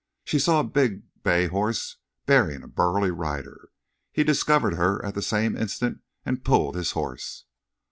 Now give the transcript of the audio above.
She saw a big bay horse bearing a burly rider. He discovered her at the same instant, and pulled his horse.